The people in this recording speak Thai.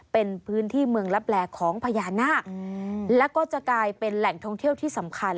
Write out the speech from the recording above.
เป็นพื้นที่เมืองลับแลของพญานาคแล้วก็จะกลายเป็นแหล่งท่องเที่ยวที่สำคัญ